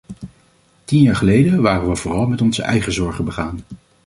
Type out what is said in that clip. Tien jaar geleden waren we vooral met onze eigen zorgen begaan.